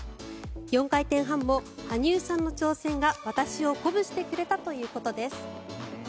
４回転半も羽生さんの挑戦が私を鼓舞してくれたということです。